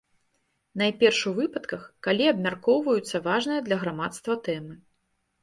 Найперш у выпадках, калі абмяркоўваюцца важныя для грамадства тэмы.